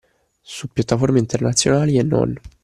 Su piattaforme internazionali e non.